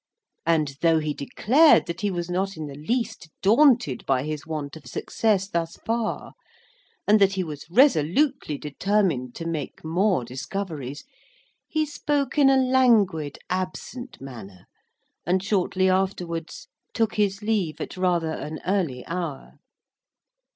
And though he declared that he was not in the least daunted by his want of success thus far, and that he was resolutely determined to make more discoveries, he spoke in a languid absent manner, and shortly afterwards took his leave at rather an early hour.